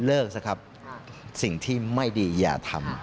เลิกสิครับสิ่งที่ไม่ดีอย่าทำ